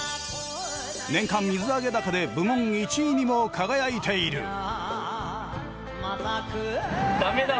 年間水揚げ高で部門１位にも輝いている。